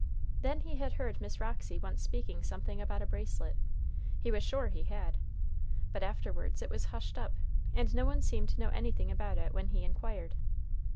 Then he had heard Miss Roxy once speaking something about a bracelet, he was sure he had; but afterwards it was hushed up, and no one seemed to know anything about it when he inquired.